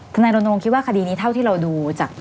นายรณรงค์คิดว่าคดีนี้เท่าที่เราดูจาก